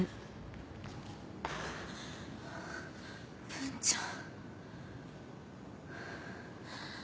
文ちゃん。